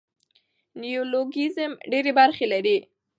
نیولوګیزم ډېري برخي لري.